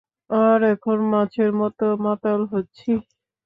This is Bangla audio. আর এখন মাছের মতো মাতাল হচ্ছিস!